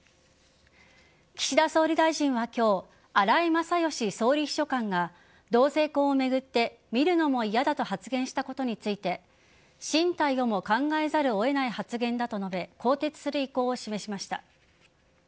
岸田総理大臣は今日荒井勝喜総理秘書官が同性婚を巡って見るのも嫌だと発言したことについて進退をも考えざるをえない発言だと述べ更迭する意向を示しました。